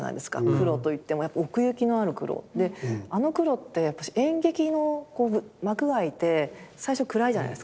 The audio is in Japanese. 黒といっても奥行きのある黒であの黒ってやっぱし演劇の幕が開いて最初暗いじゃないですか。